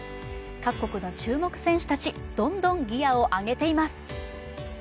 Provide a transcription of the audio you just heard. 各国の注目選手たち、どんどんギアを上げています！